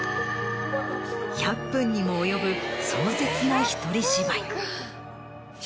１００分にも及ぶ壮絶な一人芝居。